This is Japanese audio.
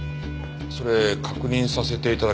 それ確認させて頂けますか？